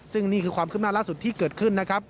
ซึ่งนี่คือความขึ้นหน้าล่าสุดที่เกิดขึ้นนะครับ